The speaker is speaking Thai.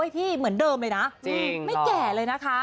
พี่เหมือนเดิมเลยนะไม่แก่เลยนะคะ